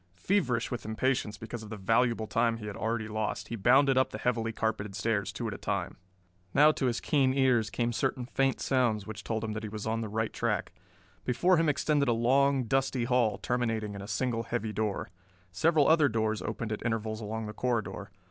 Feverish with impatience because of the valuable time he had already lost, he bounded up the heavily carpeted stairs two at a time. Now to his keen ears came certain faint sounds which told him that he was on the right track. Before him extended a long, dusty hall, terminating in a single heavy door. Several other doors opened at intervals along the corridor.